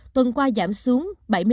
tuần qua giảm xuống bảy mươi năm bốn